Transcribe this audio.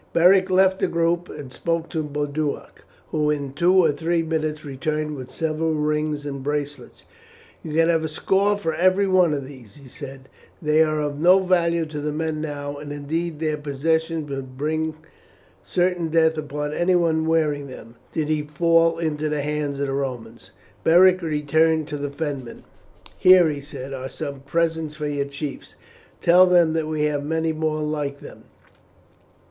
Beric left the group and spoke to Boduoc, who in two or three minutes returned with several rings and bracelets. "You could have a score for every one of these," he said; "they are of no value to the men now, and indeed their possession would bring certain death upon any one wearing them did he fall into the hands of the Romans." Beric returned to the Fenmen. "Here," he said, "are some presents for your chiefs, tell them that we have many more like them."